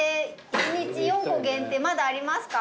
１日４個限定まだありますか？